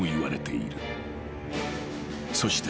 ［そして］